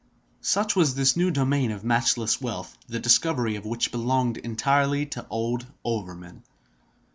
Such was this new domain, of matchless wealth, the discovery of which belonged entirely to the old overman.